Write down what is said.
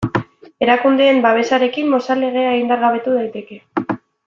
Erakundeen babesarekin Mozal Legea indargabetu daiteke.